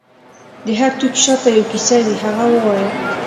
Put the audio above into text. د هر توکي شاته یو کیسه وي، هغه ووایه.